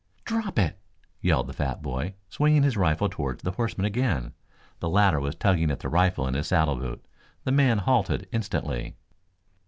"Drop it!" yelled the fat boy, swinging his rifle toward the horseman again. The latter was tugging at the rifle in his saddle boot. The man halted instantly.